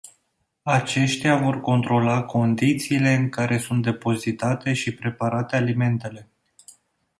Aceștia vor controla condițiile în care sunt depozitate și preparate alimentele.